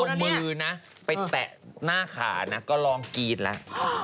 คนพวกนี้เอามือไปแตะหน้าขาก็ลองกีดแล้ว